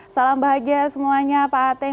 salam bahagia semuanya pak ateng